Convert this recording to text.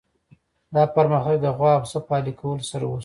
دا پرمختګ د غوا او پسه په اهلي کولو سره وشو.